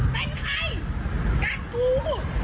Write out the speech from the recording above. เป็นใครกันกู